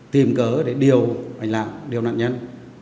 tìm cớ để điều anh lạng điều nạn nhân